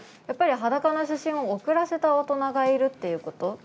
やっぱり裸の写真を送らせた大人がいるっていうこと。